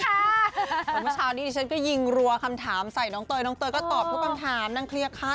เพราะว่าเมื่อเช้านี้ก็ยิงเกาะกำถามกันเนอะ